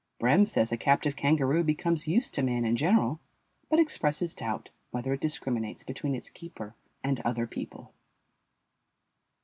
Brehm says a captive kangaroo becomes used to man in general, but expresses doubt whether it discriminates between its keeper and other people.